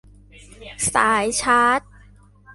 สายชาร์จ